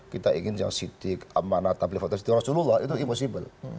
kita ingin yang sidik amanat ambil fakta sidik rasulullah itu impossible